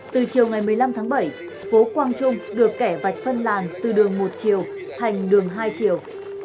từ chiều ngày một mươi năm tháng bảy phố quang trung được kẻ vạch phân làn từ đường một chiều thành đường hai chiều